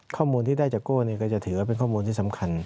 ข้อมูลที่ได้จากโก้ก็จะถือว่าเป็นข้อมูลที่สำคัญ